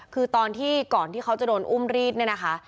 คือตอนที่ก่อนที่เขาจะโดนอุ้มรีดเนี่ยนะคะ